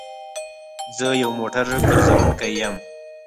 زه يو موټر ګرځونکی يم